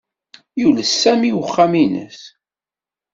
Yules Sami i uxxam-nnes.